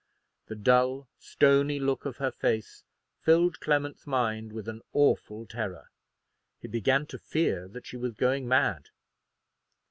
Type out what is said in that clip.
The dull stony look of her face filled Clement's mind with an awful terror. He began to fear that she was going mad.